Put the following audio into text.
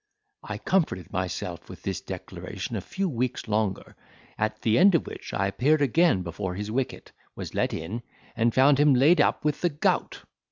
I comforted myself with this declaration a few weeks longer, at the end of which I appeared again before his wicket, was let in, and found him laid up with the gout.